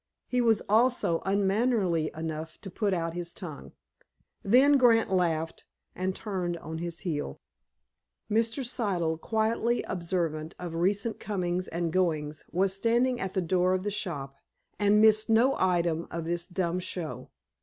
He was also unmannerly enough to put out his tongue. Then Grant laughed, and turned on his heel. Mr. Siddle, quietly observant of recent comings and goings, was standing at the door of the shop, and missed no item of this dumb show.